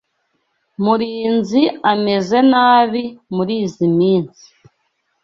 Murinzi ameze nabi murizoi minsi.